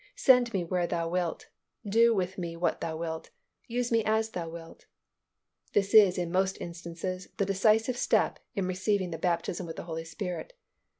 Send me where Thou wilt; do with me what Thou wilt; use me as Thou wilt." This is in most instances the decisive step in receiving the baptism with the Holy Spirit.